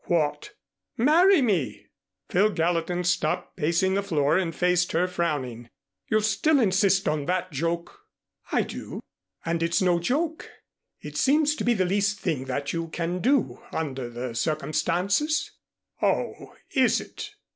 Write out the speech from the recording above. "What?" "Marry me!" Phil Gallatin stopped pacing the floor and faced her, frowning. "You still insist on that joke?" "I do. And it's no joke. It seems to be the least thing that you can do, under the circumstances." "Oh, is it?"